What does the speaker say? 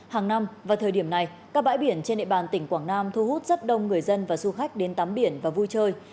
hàng năm vào thời điểm này các bãi biển trên địa bàn tỉnh quảng nam thu hút rất đông người dân và du khách đến tắm biển và vui chơi